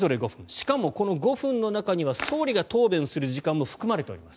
しかも、この５分の中には総理が答弁する時間も含まれています。